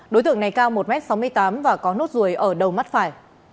đối tượng này cao một m sáu mươi tám và có nốt ruồi ở đầu mắt phải